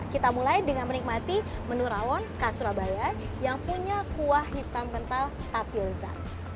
kita mulai dengan menikmati menu rawon khas surabaya yang punya kuah hitam kental tapioza